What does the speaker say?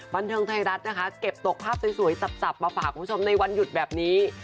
บันเทิงไทยรัฐนะคะเก็บตกภาพสวยสับมาฝากคุณผู้ชมในวันหยุดแบบนี้